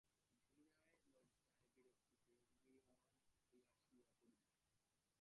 ঘৃণায় লজ্জায় বিরক্তিতে ম্রিয়মাণ হইয়া শুইয়া পড়িল।